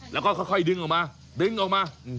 แล้วก็ค่อยดึงออกมาดึงออกมา